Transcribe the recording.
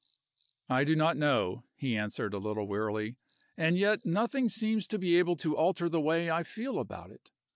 "I do not know," he answered, a little wearily, "and yet nothing seems to be able to alter the way I feel about it.